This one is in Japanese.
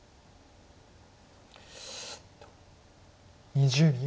２０秒。